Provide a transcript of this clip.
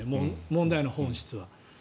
問題の本質は。